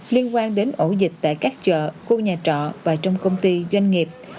liên quan đến ổ dịch tại các chợ khu nhà trọ và trong công ty doanh nghiệp